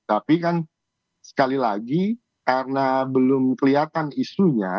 tapi kan sekali lagi karena belum kelihatan isunya